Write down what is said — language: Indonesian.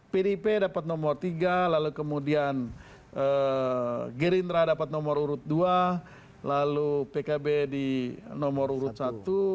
pdip dapat nomor tiga lalu kemudian gerindra dapat nomor urut dua lalu pkb di nomor urut satu